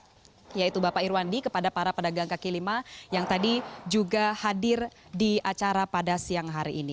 baik yaitu bapak irwandi kepada para pedagang kaki lima yang tadi juga hadir di acara pada siang hari ini